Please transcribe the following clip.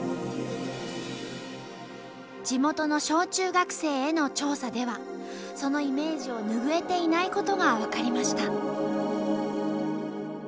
地元の小中学生への調査ではそのイメージを拭えていないことが分かりました。